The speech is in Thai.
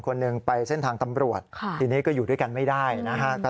คนหนึ่งไปเส้นทางตำรวจทีนี้ก็อยู่ด้วยกันไม่ได้นะฮะ